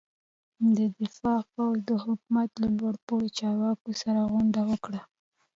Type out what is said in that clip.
د دفاع پوځ د حکومت له لوړ پوړو چارواکو سره غونډه وکړه.